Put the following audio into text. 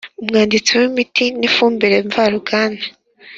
Umwanditsi w imiti n ifumbire mvaruganda